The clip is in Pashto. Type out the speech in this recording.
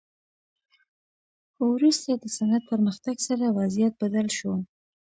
وروسته د صنعت پرمختګ سره وضعیت بدل شو.